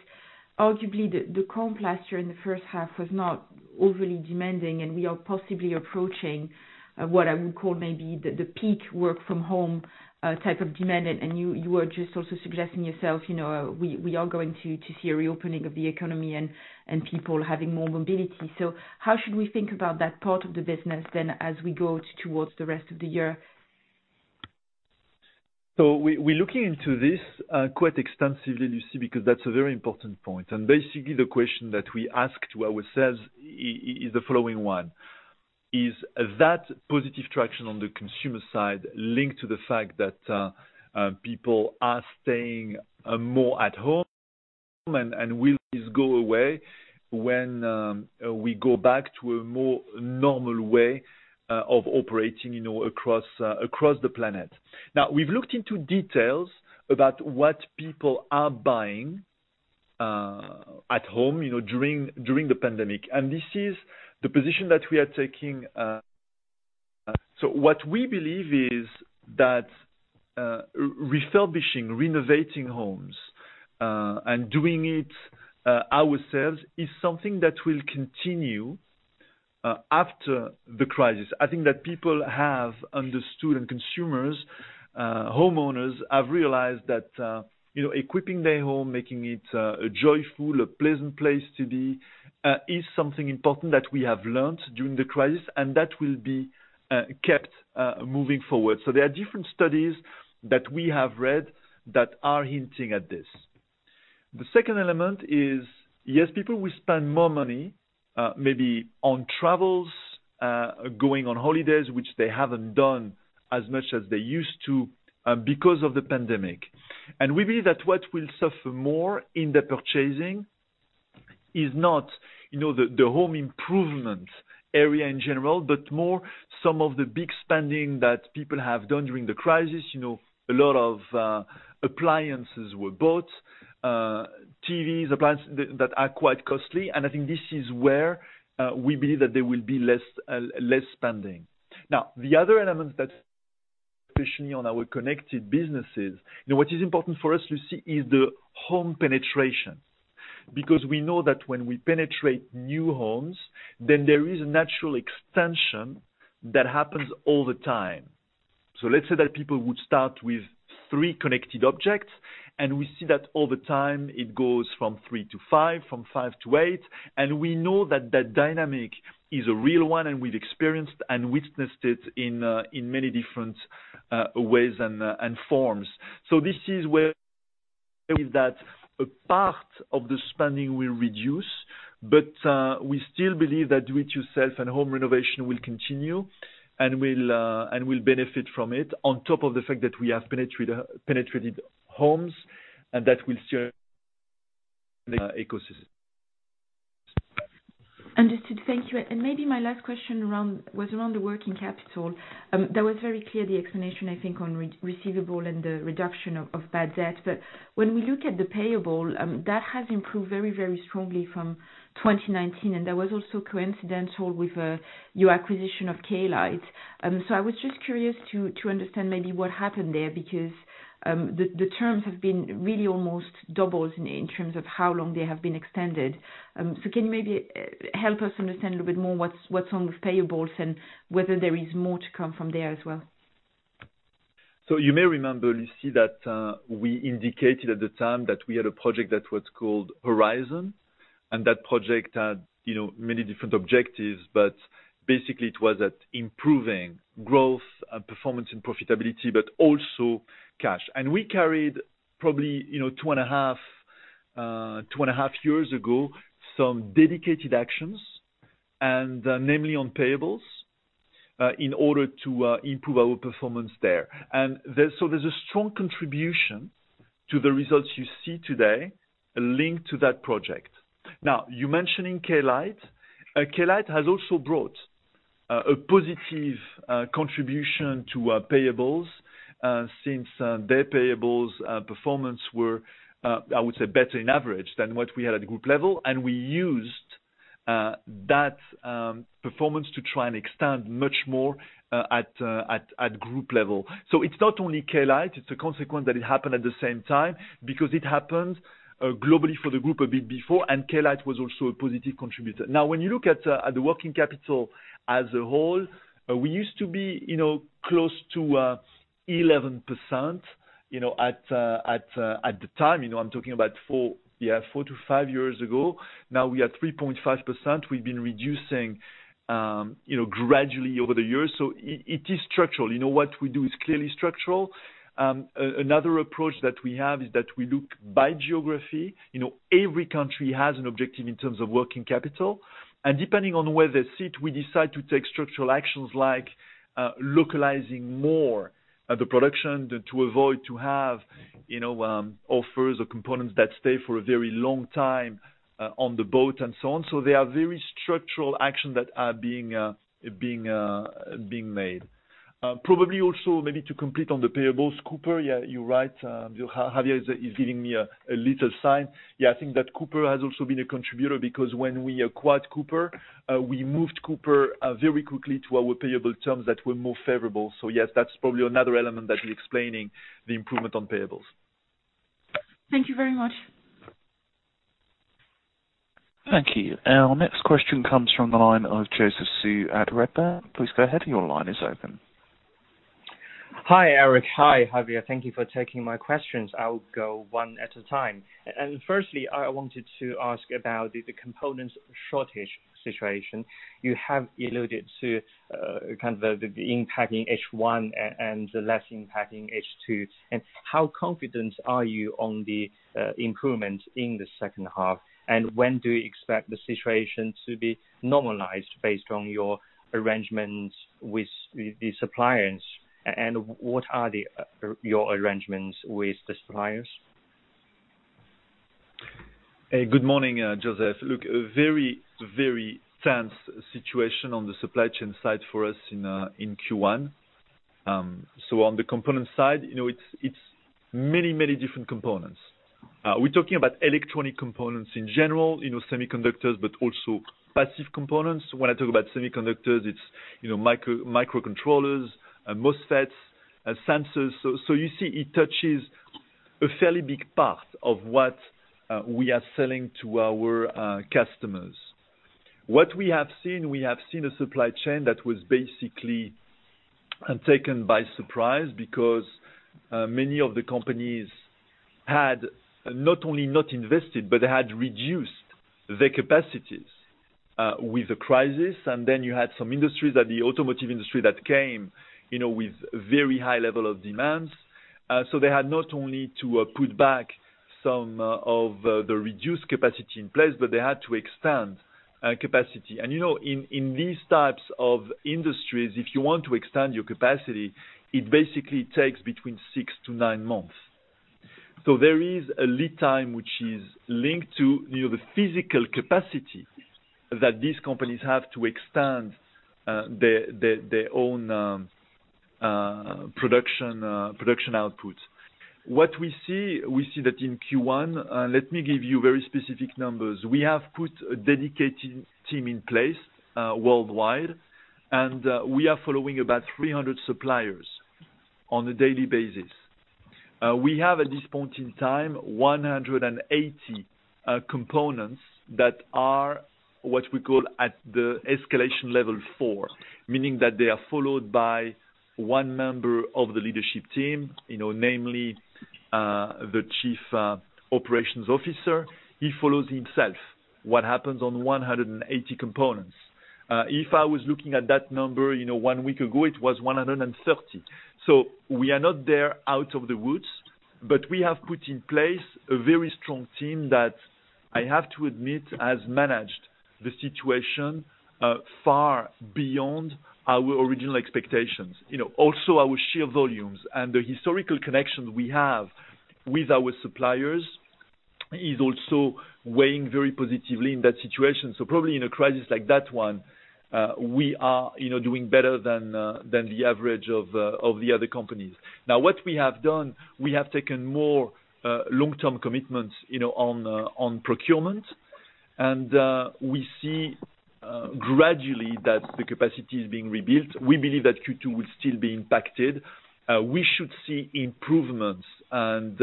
arguably, the comp last year in the first half was not overly demanding, and we are possibly approaching what I would call maybe the peak work-from-home type of demand. You were just also suggesting yourself, we are going to see a reopening of the economy and people having more mobility. How should we think about that part of the business then as we go towards the rest of the year? We're looking into this quite extensively, Lucie, because that's a very important point. Basically, the question that we ask to ourselves is the following one, is that positive traction on the consumer side linked to the fact that people are staying more at home and will this go away when we go back to a more normal way of operating across the planet? Now, we've looked into details about what people are buying at home during the pandemic. This is the position that we are taking. What we believe is that refurbishing, renovating homes, and doing it ourselves is something that will continue after the crisis. I think that people have understood, and consumers, homeowners, have realized that equipping their home, making it a joyful, a pleasant place to be, is something important that we have learned during the crisis, and that will be kept moving forward. There are different studies that we have read that are hinting at this. The second element is, yes, people will spend more money, maybe on travels, going on holidays, which they haven't done as much as they used to because of the pandemic. We believe that what will suffer more in the purchasing is not the home improvement area in general, but more some of the big spending that people have done during the crisis. A lot of appliances were bought, TVs, appliances that are quite costly, and I think this is where we believe that there will be less spending. The other element that's especially on our connected businesses, what is important for us, Lucie, is the home penetration. We know that when we penetrate new homes, then there is a natural extension that happens all the time. Let's say that people would start with three connected objects, and we see that over time, it goes from three to five, from five to eight, and we know that dynamic is a real one, and we've experienced and witnessed it in many different ways and forms. This is where that a part of the spending will reduce, but we still believe that do-it-yourself and home renovation will continue, and we'll benefit from it on top of the fact that we have penetrated homes and that will serve ecosystem. Understood. Thank you. Maybe my last question was around the working capital. That was very clear, the explanation, I think, on receivable and the reduction of bad debt. When we look at the payable, that has improved very strongly from 2019, and that was also coincidental with your acquisition of Klite. I was just curious to understand maybe what happened there, because the terms have been really almost doubled in terms of how long they have been extended. Can you maybe help us understand a little bit more what's on with payables and whether there is more to come from there as well? You may remember, Lucie, that we indicated at the time that we had a project that was called Horizon. That project had many different objectives, but basically it was at improving growth and performance and profitability, but also cash. We carried probably 2.5 years ago, some dedicated actions, namely on payables, in order to improve our performance there. There's a strong contribution to the results you see today linked to that project. Now, you mentioning Klite. Klite has also brought a positive contribution to our payables, since their payables performance were, I would say, better in average than what we had at group level. We used that performance to try and extend much more at group level. It's not only Klite, it's a consequence that it happened at the same time, because it happened globally for the group a bit before, and Klite was also a positive contributor. Now, when you look at the working capital as a whole, we used to be close to 11% at the time. I'm talking about four to five years ago. Now we are 3.5%. We've been reducing gradually over the years. It is structural. What we do is clearly structural. Another approach that we have is that we look by geography. Every country has an objective in terms of working capital. Depending on where they sit, we decide to take structural actions like localizing more the production to avoid to have offers or components that stay for a very long time on the boat and so on. They are very structural action that are being made. Probably also maybe to compete on the payables, Cooper, yeah, you're right. Javier is giving me a little sign. Yeah, I think that Cooper has also been a contributor because when we acquired Cooper, we moved Cooper very quickly to our payable terms that were more favorable. Yes, that's probably another element that is explaining the improvement on payables. Thank you very much. Thank you. Our next question comes from the line of Joseph Su at Redburn. Please go ahead. Your line is open. Hi, Eric. Hi, Javier. Thank you for taking my questions. I will go one at a time. Firstly, I wanted to ask about the components shortage situation. You have alluded to kind of the impact in H1 and the less impact in H2. How confident are you on the improvement in the second half? When do you expect the situation to be normalized based on your arrangements with the suppliers? What are your arrangements with the suppliers? Good morning, Joseph. Look, a very tense situation on the supply chain side for us in Q1. On the component side, it's many different components. We're talking about electronic components in general, semiconductors, but also passive components. When I talk about semiconductors, it's microcontrollers, MOSFETs, sensors. You see it touches a fairly big part of what we are selling to our customers. What we have seen, a supply chain that was basically taken by surprise because many of the companies had not only not invested, but had reduced their capacities with the crisis. You had some industries that the automotive industry that came with very high level of demands. They had not only to put back some of the reduced capacity in place, but they had to expand capacity. In these types of industries, if you want to expand your capacity, it basically takes between six to nine months. There is a lead time which is linked to the physical capacity that these companies have to expand their own production output. What we see, we see that in Q1, let me give you very specific numbers. We have put a dedicated team in place worldwide, and we are following about 300 suppliers on a daily basis. We have, at this point in time, 180 components that are what we call at the escalation level four, meaning that they are followed by one member of the leadership team, namely, the Chief Operations Officer. He follows himself what happens on 180 components. If I was looking at that number one week ago, it was 130. We are not there out of the woods, but we have put in place a very strong team that I have to admit has managed the situation far beyond our original expectations. Our sheer volumes and the historical connections we have with our suppliers, is also weighing very positively in that situation. Probably in a crisis like that one, we are doing better than the average of the other companies. What we have done, we have taken more long-term commitments on procurement and we see gradually that the capacity is being rebuilt. We believe that Q2 will still be impacted. We should see improvements, and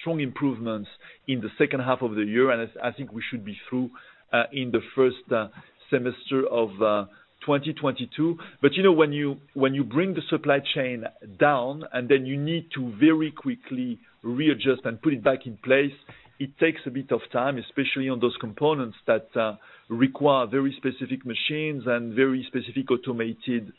strong improvements, in the second half of the year, and I think we should be through in the first semester of 2022. When you bring the supply chain down and then you need to very quickly readjust and put it back in place, it takes a bit of time, especially on those components that require very specific machines and very specific automated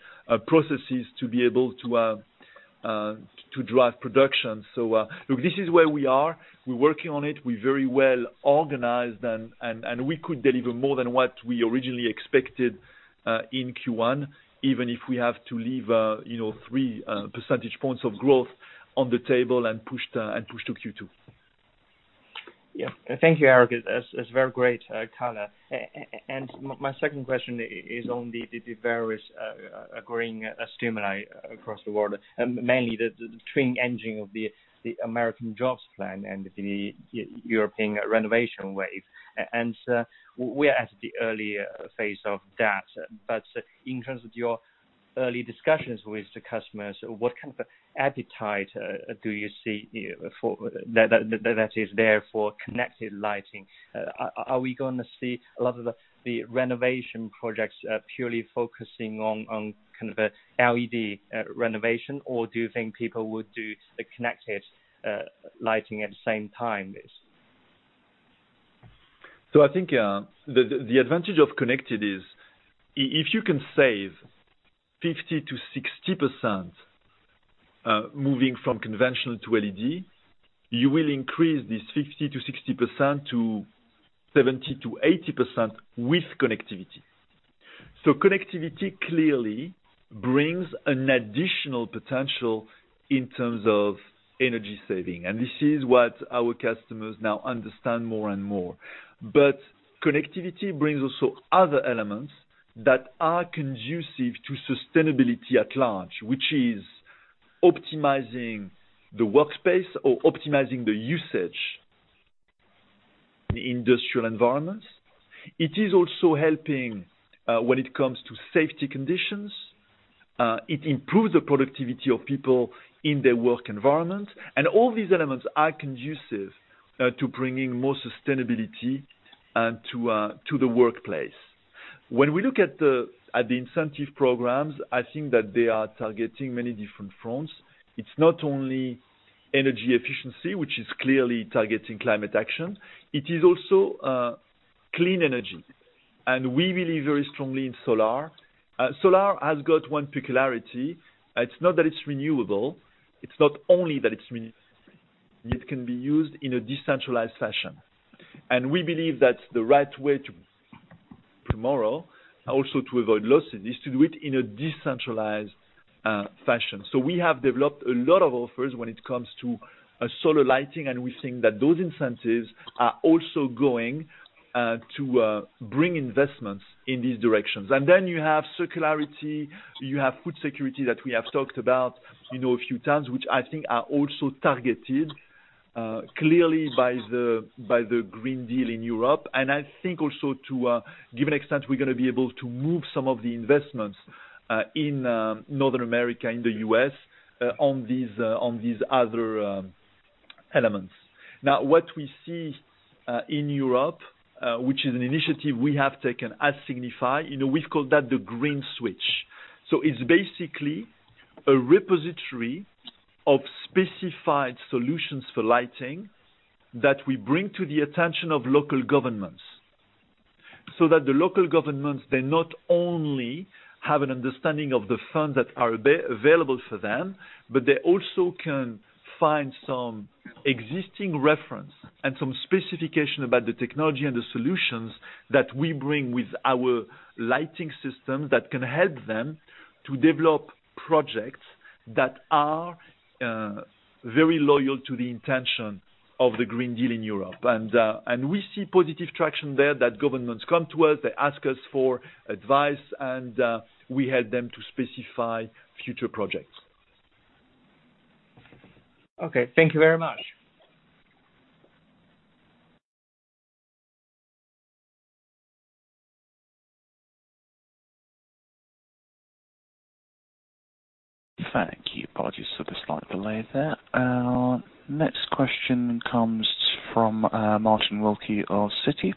processes to be able to drive production. Look, this is where we are. We're working on it. We're very well organized and we could deliver more than what we originally expected, in Q1, even if we have to leave three percentage points of growth on the table and push to Q2. Yeah. Thank you, Eric. That's very great color. My second question is on the various growing stimuli across the world, mainly the twin engine of the American Jobs Plan and the European renovation wave. We are at the early phase of that, but in terms of your early discussions with the customers, what kind of appetite do you see that is there for connected lighting? Are we going to see a lot of the renovation projects purely focusing on kind of a LED renovation, or do you think people would do the connected lighting at the same time as this? I think the advantage of connected is, if you can save 50%-60% moving from conventional to LED, you will increase this 50%-60% to 70%-80% with connectivity. Connectivity clearly brings an additional potential in terms of energy saving. This is what our customers now understand more and more. Connectivity brings also other elements that are conducive to sustainability at large, which is optimizing the workspace or optimizing the usage in industrial environments. It is also helping when it comes to safety conditions. It improves the productivity of people in their work environment. All these elements are conducive to bringing more sustainability to the workplace. When we look at the incentive programs, I think that they are targeting many different fronts. It's not only energy efficiency, which is clearly targeting climate action. It is also clean energy. We believe very strongly in solar. Solar has got one peculiarity. It's not that it's renewable, it's not only that it's renewable, it can be used in a decentralized fashion. We believe that the right way to tomorrow, also to avoid losses, is to do it in a decentralized fashion. We have developed a lot of offers when it comes to solar lighting, and we think that those incentives are also going to bring investments in these directions. You have circularity, you have food security that we have talked about a few times, which I think are also targeted clearly by the European Green Deal. I think also to a given extent, we're going to be able to move some of the investments in North America, in the U.S., on these other elements. What we see in Europe, which is an initiative we have taken as Signify, we've called that the Green Switch. It's basically a repository of specified solutions for lighting that we bring to the attention of local governments, so that the local governments, they not only have an understanding of the funds that are available for them, but they also can find some existing reference and some specification about the technology and the solutions that we bring with our lighting system that can help them to develop projects that are very loyal to the intention of the Green Deal in Europe. We see positive traction there, that governments come to us, they ask us for advice, and we help them to specify future projects. Okay. Thank you very much. Thank you. Apologies for the slight delay there. Our next question comes from Martin Wilkie of Citi.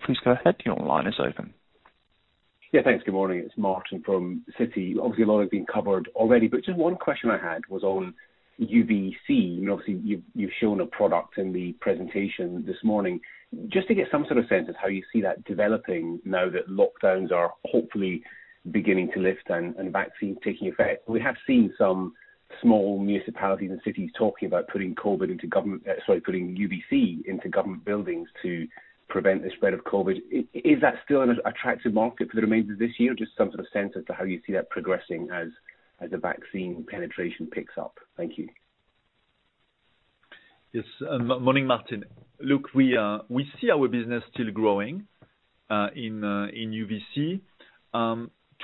Yeah. Thanks. Good morning. It's Martin from Citi. Obviously, a lot has been covered already, but just one question I had was on UVC. Obviously, you've shown a product in the presentation this morning. Just to get some sort of sense of how you see that developing now that lockdowns are hopefully beginning to lift and vaccines taking effect. We have seen some small municipalities and cities talking about putting UVC into government buildings to prevent the spread of COVID. Is that still an attractive market for the remainder of this year? Just some sort of sense as to how you see that progressing as the vaccine penetration picks up. Thank you. Yes. Morning, Martin. Look, we see our business still growing in UVC.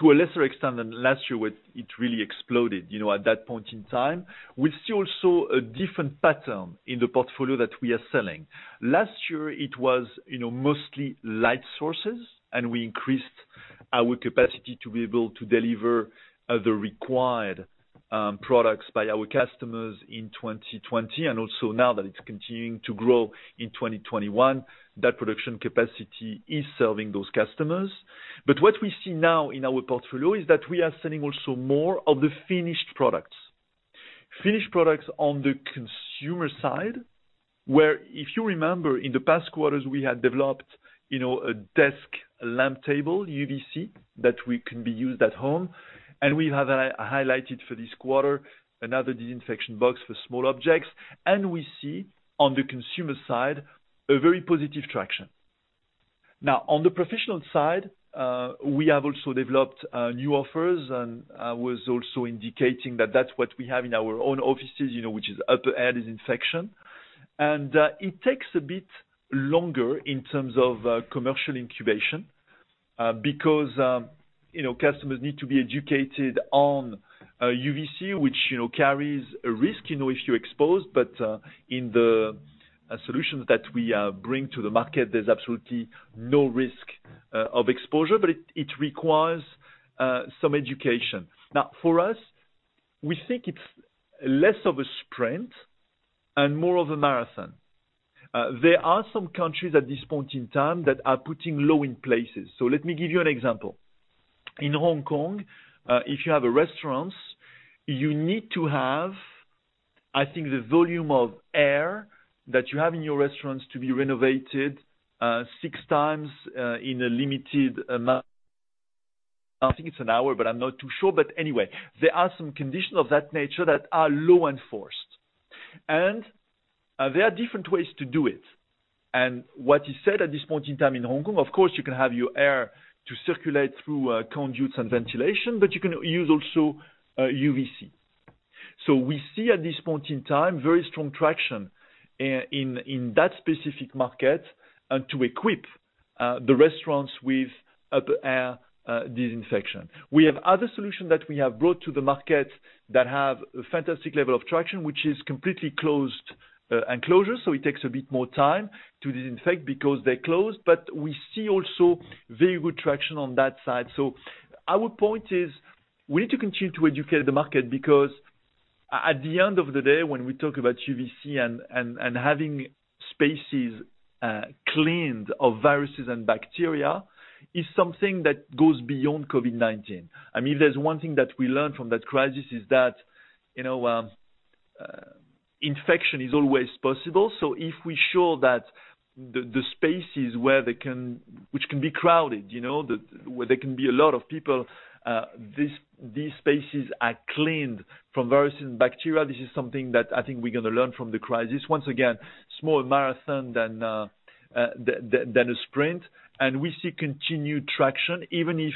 To a lesser extent than last year, where it really exploded at that point in time. We see also a different pattern in the portfolio that we are selling. Last year, it was mostly light sources, and we increased our capacity to be able to deliver the required products by our customers in 2020. Also now that it's continuing to grow in 2021, that production capacity is serving those customers. What we see now in our portfolio is that we are selling also more of the finished products. Finished products on the consumer side, where, if you remember, in the past quarters, we had developed a desk lamp table UVC that can be used at home. We have highlighted for this quarter another disinfection box for small objects. We see on the consumer side a very positive traction. Now, on the professional side, we have also developed new offers, and I was also indicating that that's what we have in our own offices, which is upper air disinfection. It takes a bit longer in terms of commercial incubation, because customers need to be educated on UVC, which carries a risk if you're exposed. In the solutions that we bring to the market, there's absolutely no risk of exposure, but it requires some education. Now, for us, we think it's less of a sprint and more of a marathon. There are some countries at this point in time that are putting law in places. Let me give you an example. In Hong Kong, if you have a restaurant, you need to have, I think, the volume of air that you have in your restaurant to be renovated 6x in a limited amount, I think it's an hour, but I'm not too sure. Anyway, there are some conditions of that nature that are law enforced. There are different ways to do it. What is said at this point in time in Hong Kong, of course, you can have your air circulate through conduits and ventilation, but you can use also UVC. We see at this point in time very strong traction in that specific market, and to equip the restaurants with upper air disinfection. We have other solutions that we have brought to the market that have a fantastic level of traction, which is completely closed enclosures, so it takes a bit more time to disinfect because they're closed. We see also very good traction on that side. Our point is, we need to continue to educate the market because at the end of the day, when we talk about UVC and having spaces cleaned of viruses and bacteria, is something that goes beyond COVID-19. If there's one thing that we learned from that crisis is that infection is always possible. If we show that the spaces which can be crowded, where there can be a lot of people, these spaces are cleaned from viruses and bacteria, this is something that I think we're going to learn from the crisis. Once again, more a marathon than a sprint. We see continued traction, even if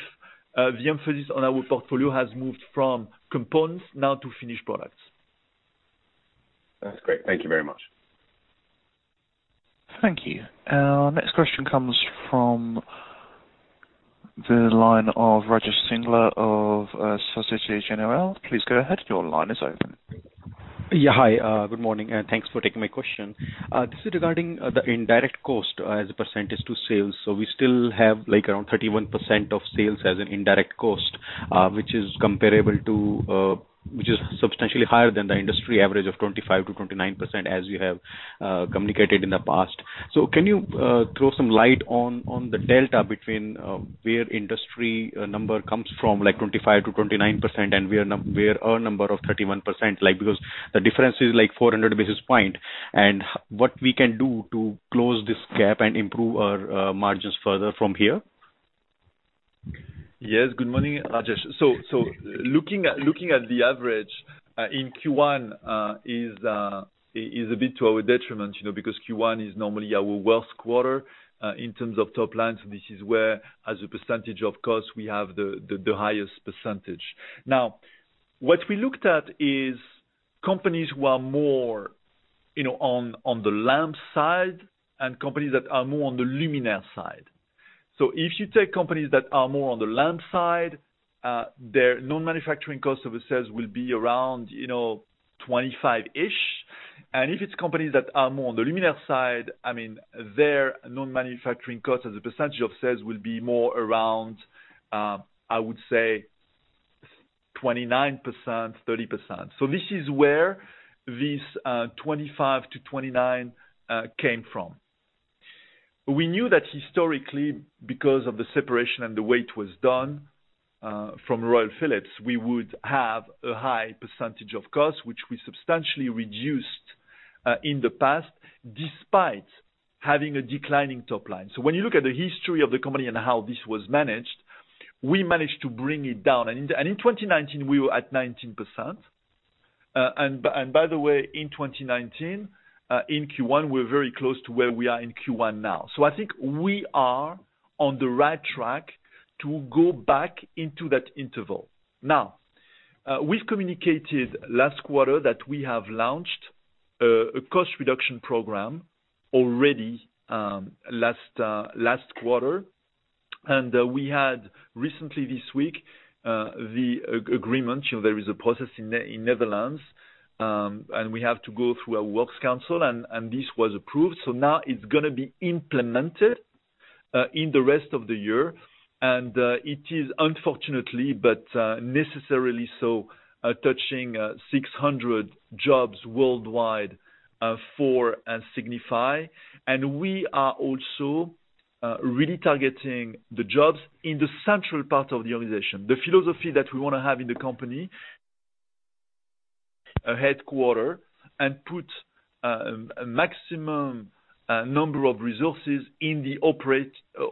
the emphasis on our portfolio has moved from components now to finished products. That's great. Thank you very much. Thank you. Our next question comes from the line of Rajesh Singla of Societe Generale. Please go ahead. Your line is open. Yeah. Hi, good morning, and thanks for taking my question. This is regarding the indirect cost as a percentage to sales. We still have around 31% of sales as an indirect cost, which is substantially higher than the industry average of 25%-29%, as you have communicated in the past. Can you throw some light on the delta between where industry number comes from, like 25%-29%, and where our number of 31%, because the difference is 400 basis points? What we can do to close this gap and improve our margins further from here? Yes. Good morning, Rajesh. Looking at the average in Q1 is a bit to our detriment, because Q1 is normally our worst quarter in terms of top line. This is where, as a percentage of cost, we have the highest percentage. What we looked at is companies who are more on the lamp side and companies that are more on the luminaire side. If you take companies that are more on the lamp side, their non-manufacturing cost of sales will be around 25%. If it's companies that are more on the luminaire side, their non-manufacturing cost as a percentage of sales will be more around, I would say 29%, 30%. This is where this 25%-29% came from. We knew that historically, because of the separation and the way it was done from Royal Philips, we would have a high percentage of cost, which we substantially reduced in the past, despite having a declining top line. When you look at the history of the company and how this was managed, we managed to bring it down. In 2019, we were at 19%. By the way, in 2019, in Q1, we're very close to where we are in Q1 now. I think we are on the right track to go back into that interval. We've communicated last quarter that we have launched a cost reduction program already last quarter. We had recently this week, the agreement. There is a process in Netherlands, and we have to go through a works council and this was approved. Now it's going to be implemented in the rest of the year. It is unfortunately but necessarily so, touching 600 jobs worldwide for Signify. We are also really targeting the jobs in the central part of the organization. The philosophy that we want to have in the company, a headquarter, and put a maximum number of resources in the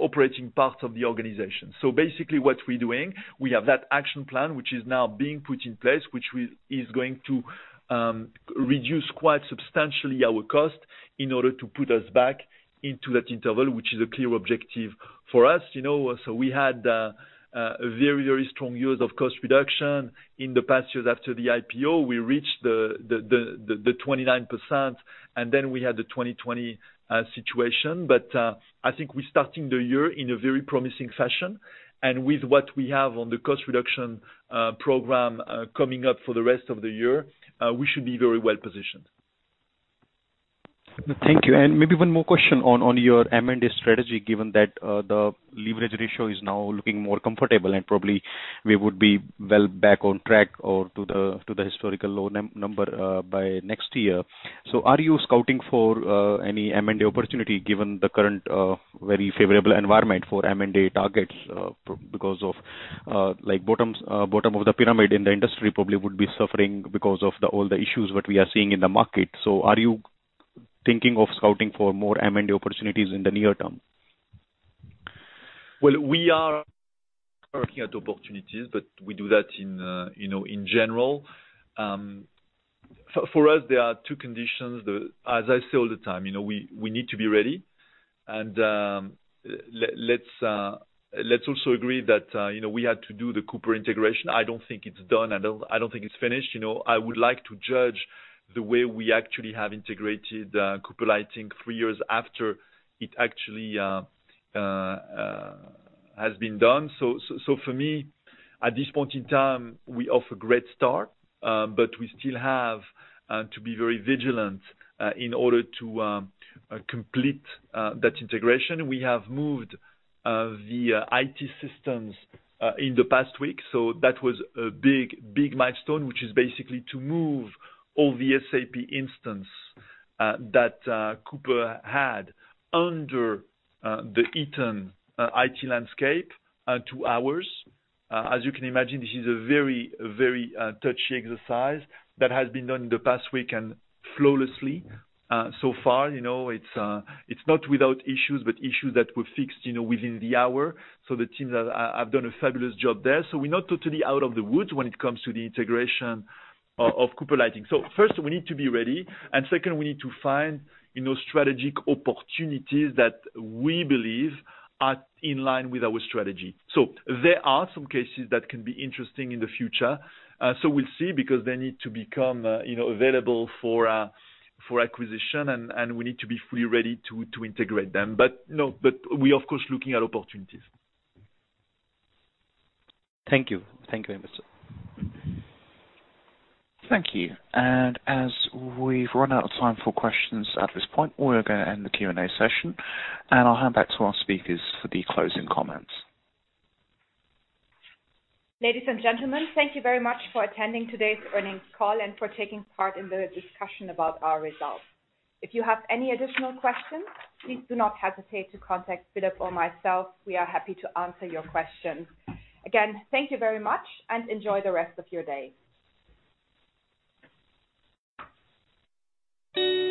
operating part of the organization. Basically what we're doing, we have that action plan, which is now being put in place, which is going to reduce quite substantially our cost in order to put us back into that interval, which is a clear objective for us. We had a very strong years of cost reduction in the past years after the IPO. We reached the 29%, and then we had the 2020 situation. I think we're starting the year in a very promising fashion. With what we have on the cost reduction program coming up for the rest of the year, we should be very well positioned. Thank you. Maybe one more question on your M&A strategy, given that the leverage ratio is now looking more comfortable and probably we would be well back on track or to the historical low number by next year. Are you scouting for any M&A opportunity given the current very favorable environment for M&A targets because of bottom of the pyramid in the industry probably would be suffering because of all the issues that we are seeing in the market. Are you thinking of scouting for more M&A opportunities in the near-term? Well, we are looking at opportunities, we do that in general. For us, there are two conditions. As I say all the time, we need to be ready. Let's also agree that we had to do the Cooper integration. I don't think it's done. I don't think it's finished. I would like to judge the way we actually have integrated Cooper Lighting three years after it actually has been done. For me, at this point in time, we're off to a great start, but we still have to be very vigilant in order to complete that integration. We have moved the IT systems in the past week, so that was a big milestone, which is basically to move all the SAP instance that Cooper had under the Eaton IT landscape to ours. As you can imagine, this is a very touchy exercise that has been done in the past week and flawlessly so far. It's not without issues, but issues that were fixed within the hour. The teams have done a fabulous job there. We're not totally out of the woods when it comes to the integration of Cooper Lighting. First, we need to be ready, and second, we need to find strategic opportunities that we believe are in line with our strategy. There are some cases that can be interesting in the future. We'll see because they need to become available for acquisition and we need to be fully ready to integrate them. We're of course, looking at opportunities. Thank you. Thank you very much, sir. Thank you. As we've run out of time for questions at this point, we are going to end the Q&A session, and I'll hand back to our speakers for the closing comments. Ladies and gentlemen, thank you very much for attending today's earnings call and for taking part in the discussion about our results. If you have any additional questions, please do not hesitate to contact Philip or myself. We are happy to answer your questions. Again, thank you very much, and enjoy the rest of your day.